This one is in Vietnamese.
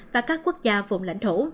và các quốc gia vùng lãnh thổ